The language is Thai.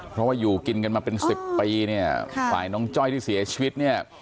เพราะว่าอยู่กินกันมาเป็นสิบปีเนี่ยฝ่ายน้องจ้อยที่เสียชีวิตเนี่ย